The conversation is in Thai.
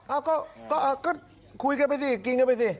เอ้าก็คุยกันไปสิกินกันไปสิ